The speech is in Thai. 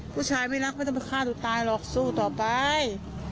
ผู้ชายไม่รักไม่ต้องไปฆ่าตัวตายหรอกสู้ต่อไป